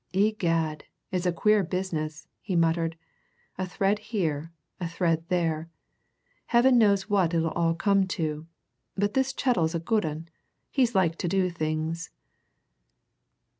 "Egad, it's a queer business!" he muttered. "A thread here, a thread there! Heaven knows what it'll all come to. But this Chettle's a good 'un he's like to do things."